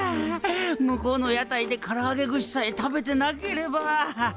向こうの屋台でからあげ串さえ食べてなければ。